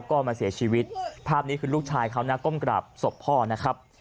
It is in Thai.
ก็มาเสียชีวิตภาพนี้คือลูกชายเขานะก้มกราบศพพ่อนะครับ